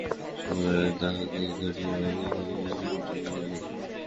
সকলে তাহাকে ধরিয়া অধিকারীর নিকটে লইয়া গেল।